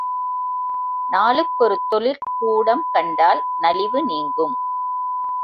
நாளுக்கொரு தொழிற்கூடம் கண்டால் நலிவு நீங்கும்.